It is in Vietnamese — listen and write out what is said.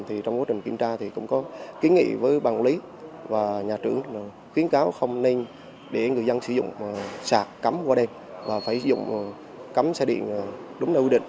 thì trong quá trình kiểm tra thì cũng có kiến nghị với ban quản lý và nhà trưởng là khuyến cáo không nên để người dân sử dụng sạc cắm qua đêm và phải sử dụng cắm xe điện đúng nơi quy định